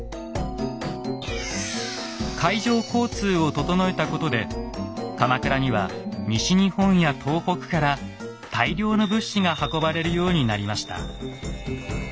海上交通を整えたことで鎌倉には西日本や東北から大量の物資が運ばれるようになりました。